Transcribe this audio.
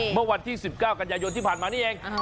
เมื่อวันที่๑๙กันยายนที่ผ่านมานี่เอง